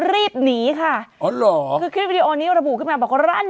รีบหนีค่ะอ๋อเหรอคือคลิปวิดีโอนี้ระบุขึ้นมาบอกว่ารั่น